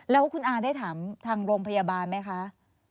แล้วคุณอาได้ถามทางโรงพยาบาลไหมคะ